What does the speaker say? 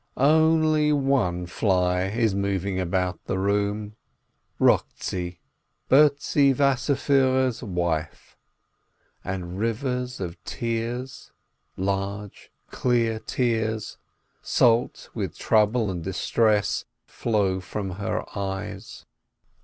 Only one fly is moving about the room : Rochtzi, Bertzi Wasserfiihrer's wife, and rivers of tears, large, clear tears, salt with trouble and distress, flow from her eyes.